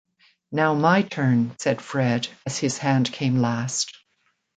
"Now my turn," said Fred, as his hand came last.